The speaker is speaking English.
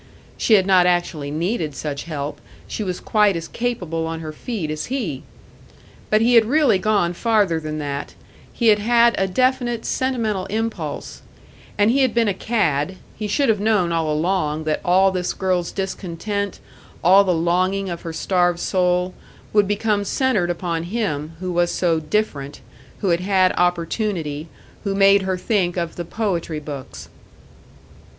She had not actually needed such help, she was quite as capable on her feet as he! But he had really gone farther than that he had had a definite sentimental impulse; and he had been a cad he should have known all along that all this girl's discontent, all the longing of her starved soul, would become centred upon him, who was so "different," who had had opportunity, who made her think of the "poetry books"!